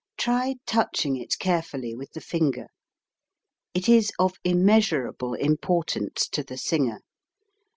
Try touching it carefully with the finger. It is of immeasurable importance to the singer.